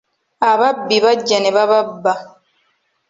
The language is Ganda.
Ababbi bajja ne bababba.